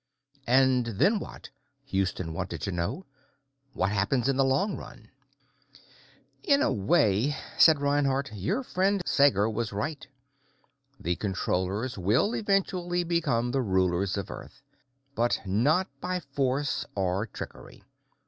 "And then what?" Houston wanted to know. "What happens in the long run?" "In a way," said Reinhardt, "your friend Sager was right. The Controllers will eventually become the rulers of Earth. But not by force or trickery.